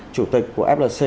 chủ tịch của flc